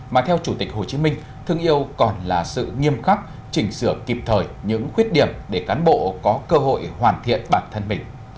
mà theo chủ tịch hồ chí minh thương yêu còn là sự nghiêm khắc chỉnh sửa kịp thời những khuyết điểm để cán bộ có cơ hội hoàn thiện bản thân mình